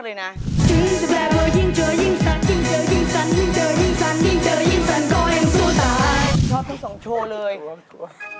เสียบรรยาภาพ